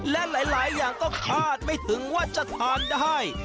และหลายอย่างก็คาดไม่ถึงว่าจะทานได้